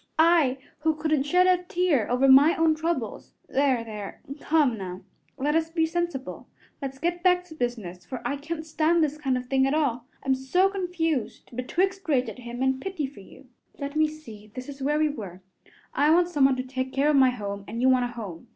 I, who couldn't shed a tear over my own troubles there, there, come now, let us be sensible. Let's get back to business, for I can't stand this kind of thing at all. I'm so confused betwixt rage at him and pity for you Let me see; this is where we were: I want someone to take care of my home, and you want a home.